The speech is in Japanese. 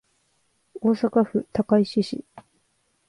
大阪府高石市